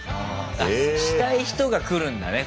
したい人が来るんだね